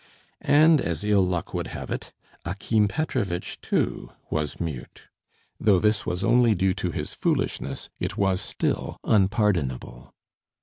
And as ill luck would have it, Akim Petrovitch, too, was mute; though this was only due to his foolishness, it was still unpardonable.